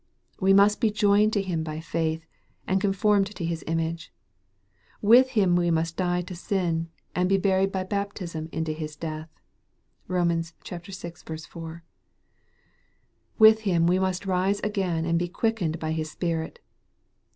We must be joined to Him by faith, and con formed to His image. With Him we must die to sin, and be buried by baptism into His death. (Bom. vi. 4.) With Him we must rise again and be quickened by His Spirit.